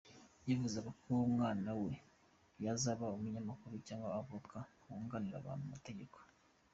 Yifuzaga ko umwana we yazaba umunyamakuru cyangwa avoka wunganira abantu mu mategeko.